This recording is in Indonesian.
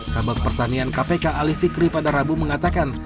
kabupaten pertanian kpk alif fikri pada rabu mengatakan